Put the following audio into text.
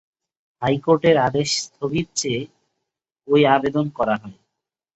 হাইকোর্টের আদেশ স্থগিত চেয়ে ওই আবেদন করা হয়।